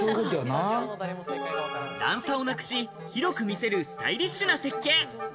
段差をなくし、広く見せるスタイリッシュな設計。